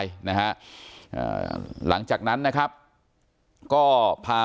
อยากให้สังคมรับรู้ด้วย